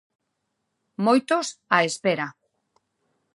Moitos, á espera.